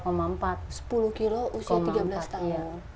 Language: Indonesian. sepuluh kilo usia tiga belas tahun